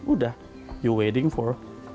udah you waiting for